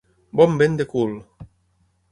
Bon vent de cul!